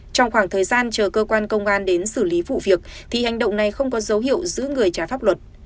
trong khoảng thời gian chờ cơ quan công an đến xử lý vụ việc thì hành động này không có dấu hiệu giữ người trái pháp luật